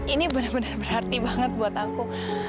ini bener bener berarti banget buat aku